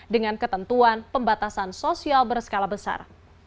dengan ketentuan pembatasan sosial berskala besar